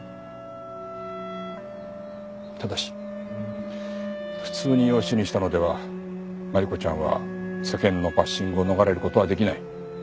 ただし普通に養子にしたのでは真梨子ちゃんは世間のバッシングを逃れる事は出来ない。